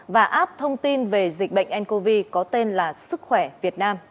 và app thông tin về dịch bệnh ncov có tên là sức khỏe việt nam